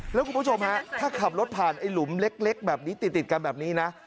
แล้วคุณผู้ชมฮะถ้าขับรถผ่านไอ้หลุมเล็กแบบนี้ติดกันแบบนี้นะ